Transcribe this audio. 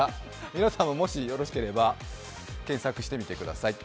皆さんももしよろしければ検索してみてください。